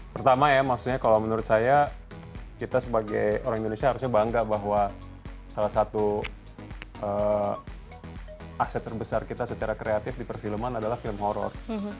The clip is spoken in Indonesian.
pertama ya maksudnya kalau menurut saya kita sebagai orang indonesia harusnya bangga bahwa salah satu aset terbesar kita secara kreatif di perfilman adalah film horror